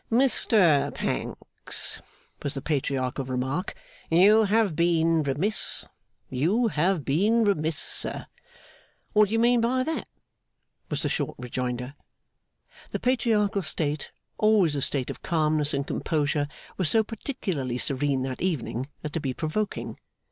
'Mr Pancks,' was the Patriarchal remark, 'you have been remiss, you have been remiss, sir.' 'What do you mean by that?' was the short rejoinder. The Patriarchal state, always a state of calmness and composure, was so particularly serene that evening as to be provoking.